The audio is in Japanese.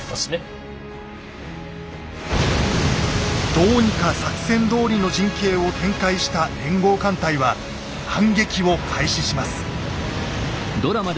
どうにか作戦どおりの陣形を展開した連合艦隊はわあああ！